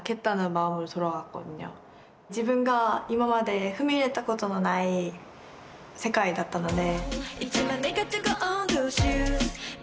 自分が今まで踏み入れたことのない世界だったので。